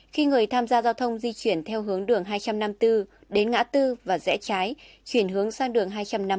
khi người tham gia giao thông di chuyển theo hướng đường hai trăm năm mươi bốn đến ngã tư và rẽ trái chuyển hướng sang đường hai trăm năm mươi